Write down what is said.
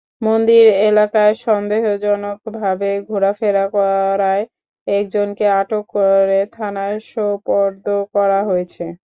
মন্দির এলাকায় সন্দেহজনকভাবে ঘোরাফেরা করায় একজনকে আটক করে থানায় সোপর্দ করা হয়েছে।